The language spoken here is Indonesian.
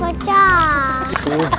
om singa lautnya pecah